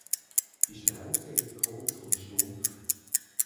Die Schnauze ist kurz und stumpf.